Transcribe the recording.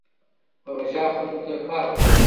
پروژه خلکو ته کار ورکړ.